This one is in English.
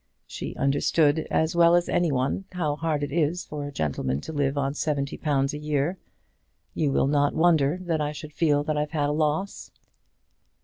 She understood, as well as any one, how hard it is for a gentleman to live on seventy pounds a year. You will not wonder that I should feel that I've had a loss."